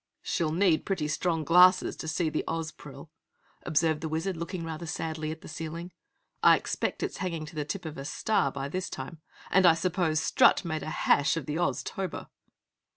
"She'll need pretty strong glasses to see the Ozpril," observed the Wizard, looking rather sadly at the ceiling. "I expect it's hanging to the tip of a star by this time! And I suppose Strut made hash of the Oztober!"